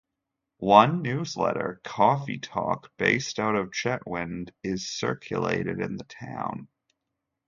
One newsletter, "Coffee Talk", based out of Chetwynd, is circulated in the town.